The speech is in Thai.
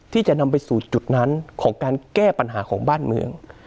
ที่จะนำไปสู่จุดนั้นของการแก้ปัญหาของบ้านเมือง